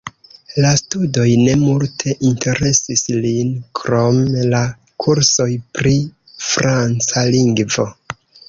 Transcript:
La studoj ne multe interesis lin krom la kursoj pri franca lingvo.